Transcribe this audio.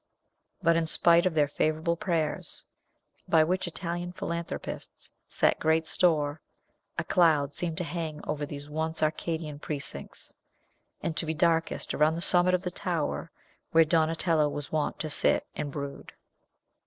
But, in spite of their favorable prayers, by which Italian philanthropists set great store, a cloud seemed to hang over these once Arcadian precincts, and to be darkest around the summit of the tower where Donatello was wont to sit and brood.